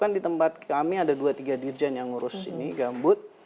kan di tempat kami ada dua tiga dirjen yang ngurus ini gambut